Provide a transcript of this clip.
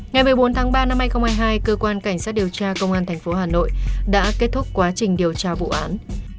ngày một mươi bốn tháng ba năm hai nghìn hai mươi hai cơ quan cảnh sát điều tra công an tp hà nội đã kết thúc quá trình điều tra vụ án